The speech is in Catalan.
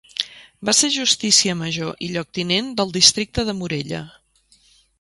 Va ser justícia major i lloctinent del districte de Morella.